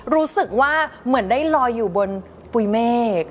รู้สึกว่าเหมือนได้ลอยอยู่บนปุ๋ยเมฆ